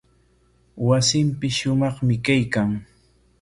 Wasinpis shumaqmi kaykan.